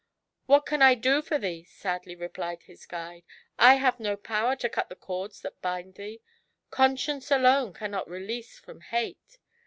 *'What can I do for thee," sadly replied his guide; " 1 have no power to cut the cords that bind thee; Con science alone cannot release from Hate.